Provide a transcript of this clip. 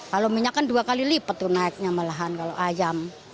kalau minyak kan dua kali lipat tuh naiknya malahan kalau ayam